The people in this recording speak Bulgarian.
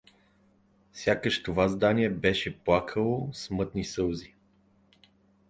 Сякаш това здание беше плакало с мътни сълзи.